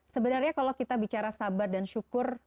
sebenarnya kalau kita bicara sabar dan syukur